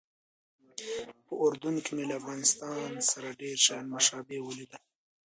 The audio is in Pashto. په اردن کې مې له افغانستان سره ډېر شیان مشابه ولیدل.